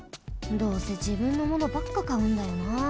どうせじぶんのものばっかかうんだよな。